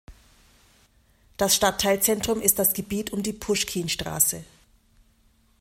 Das Stadtteilzentrum ist das Gebiet um die Puschkinstraße.